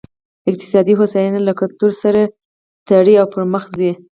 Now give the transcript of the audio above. اقتصادي هوساینه له کلتور سره تړي او پرمخ ځي.